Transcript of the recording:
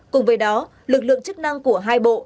cùng với đó lực lượng chức năng của hai bộ